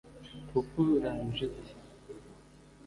Kuku Ranjit